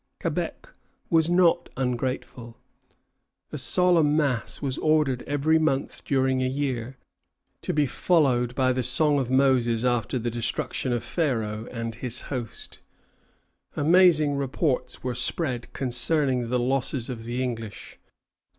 Quebec was not ungrateful. A solemn mass was ordered every month during a year, to be followed by the song of Moses after the destruction of Pharaoh and his host. Amazing reports were spread concerning the losses of the English.